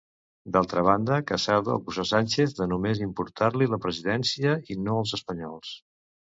D'altra banda, Casado acusa Sánchez de només importar-li la presidència i no els espanyols.